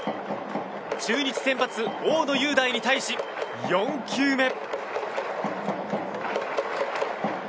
中日先発、大野雄大に対し４球目。